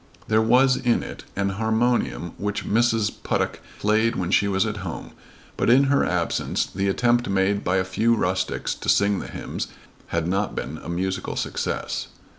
There was in it an harmonium which Mrs. Puttock played when she was at home, but in her absence the attempt made by a few rustics to sing the hymns had not been a musical success.